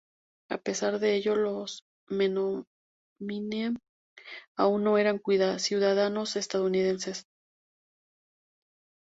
A pesar de ello los menominee aún no eran ciudadanos estadounidenses.